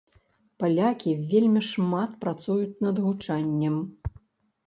Палякі вельмі шмат працуюць над гучаннем.